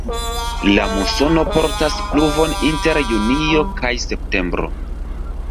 La musono portas pluvon inter junio kaj septembro.